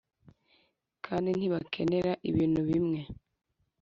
Kandi ntibakenera ibintu bimwe